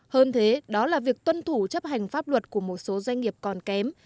hơn thế đó là việc tuân thủ chấp hành pháp luật của một số doanh nghiệp còn kém